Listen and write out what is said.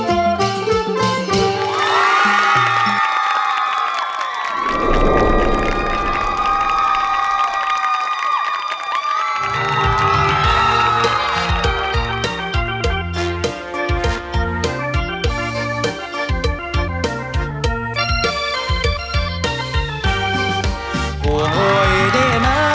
เธอไม่รู้ว่าเธอไม่รู้